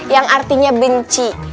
yang artinya benci